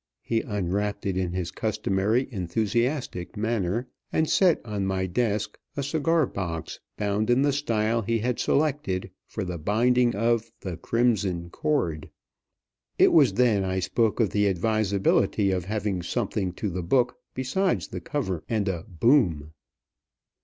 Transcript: He unwrapped it in his customary enthusiastic manner, and set on my desk a cigar box bound in the style he had selected for the binding of "The Crimson Cord." It was then I spoke of the advisability of having something to the book besides the cover and a boom.